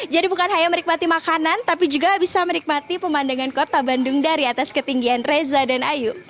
jadi bukan hanya menikmati makanan tapi juga bisa menikmati pemandangan kota bandung dari atas ketinggian reza dan ayu